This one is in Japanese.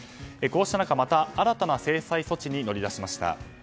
こうした中また新たな制裁措置に乗り出しました。